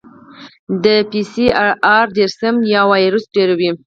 د پی سي ار جراثیم یا وایرس ډېروي.